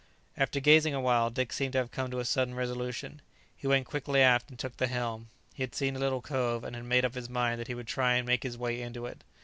After gazing awhile, Dick seemed to have come to a sudden resolution. He went quickly aft and took the helm. He had seen a little cove, and had made up his mind that he would try and make his way into it.